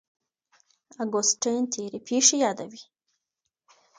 اګوستين تېرې پېښې يادوي.